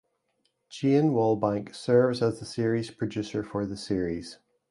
Jane Wallbank serves as the series producer for the series.